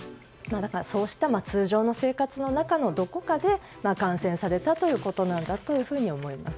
そうした通常の生活の中のどこかで、感染されたということだと思います。